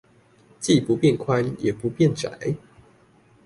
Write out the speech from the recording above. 既不變寬，也不變窄？